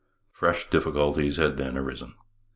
Fresh difficulties had then arisen.